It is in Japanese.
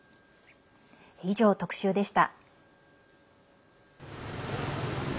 以上、特集でした。